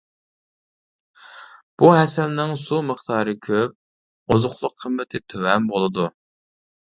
بۇ ھەسەلنىڭ سۇ مىقدارى كۆپ، ئوزۇقلۇق قىممىتى تۆۋەن بولىدۇ.